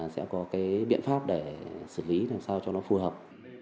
sẽ có cái biện pháp để xử lý làm sao cho nó phù hợp